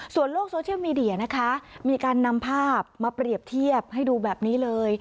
โลกโซเชียลมีเดียนะคะมีการนำภาพมาเปรียบเทียบให้ดูแบบนี้เลย